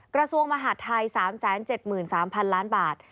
กระทรวงมหาธัย๓๗๓ล้านบาท